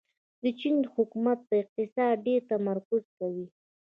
د چین حکومت په اقتصاد ډېر تمرکز کوي.